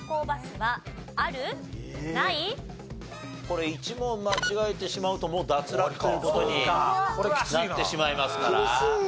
これ１問間違えてしまうともう脱落という事になってしまいますから。